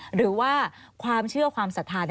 หรือว่าความเชื่อความศรัทธา